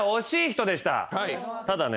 ただね。